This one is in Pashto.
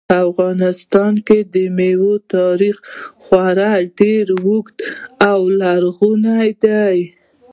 په افغانستان کې د مېوو تاریخ خورا ډېر اوږد او لرغونی دی.